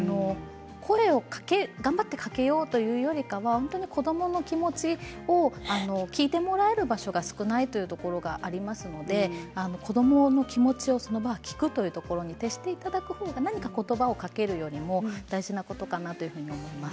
声を頑張ってかけようというよりかは本当に子どもの気持ちを聞いてもらえる場所が少ないというところがありますので子どもの気持ちをその場は聞くということに徹していただく方が何か言葉をかけるよりも大事なことかなと思います。